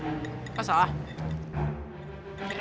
makan apa kalau gue mandor